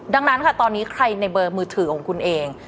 ดังนั้นค่ะตอนนี้ใครในเบอร์มือถือของคุณเอง